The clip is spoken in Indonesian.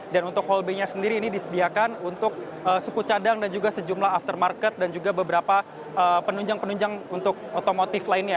dan untuk hal b nya sendiri ini disediakan untuk suku cadang dan juga sejumlah aftermarket dan juga beberapa penunjang penunjang untuk otomotif lainnya